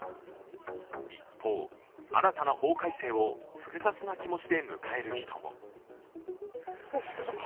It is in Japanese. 一方、新たな法改正を複雑な気持ちで迎える人も。